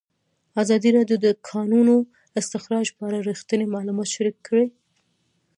ازادي راډیو د د کانونو استخراج په اړه رښتیني معلومات شریک کړي.